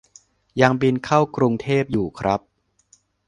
ยังบินเข้ากรุงเทพอยู่ครับ